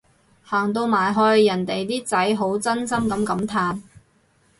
行到埋去人哋啲仔好真心噉感嘆